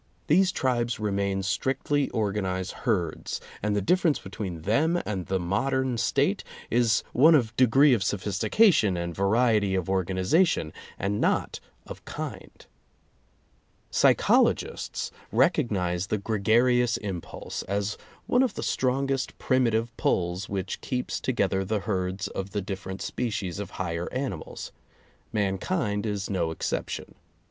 These tribes remain strictly organized herds, and the difference [i 4 8] between them and the modern State is one of de gree of sophistication and variety of organization, and not of kind. Psychologists recognize the gregarious impulse as one of the strongest primitive pulls which keeps together the herds of the different species of higher animals. Mankind is no exception.